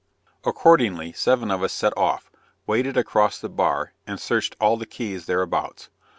Accordingly seven of us set off, waded across the bar and searched all the Keys thereabouts.